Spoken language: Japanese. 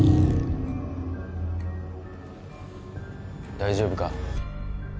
大丈夫か？